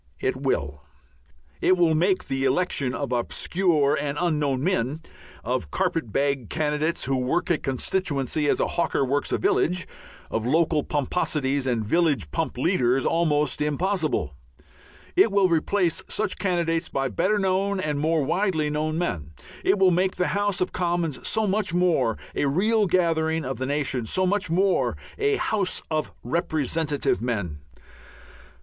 It will. It will make the election of obscure and unknown men, of carpet bag candidates who work a constituency as a hawker works a village, of local pomposities and village pump "leaders" almost impossible. It will replace such candidates by better known and more widely known men. It will make the House of Commons so much the more a real gathering of the nation, so much the more a house of representative men.